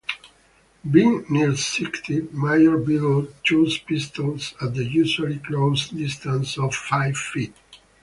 Being nearsighted, Major Biddle chose pistols at the unusually close distance of five feet.